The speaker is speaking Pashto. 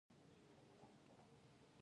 په افغانستان کې آمو سیند ډېر زیات اهمیت لري.